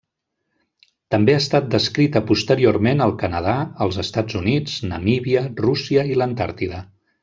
També ha estat descrita posteriorment al Canadà, els Estats Units, Namíbia, Rússia i l'Antàrtida.